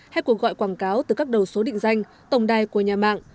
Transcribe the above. hay cuộc gọi quảng cáo từ các đầu số định danh tổng đài của nhà mạng